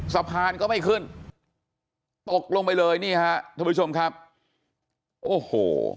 สะพานก็ไม่ขึ้นตกลงไปเลยนี่ฮะท่านผู้ชมครับโอ้โห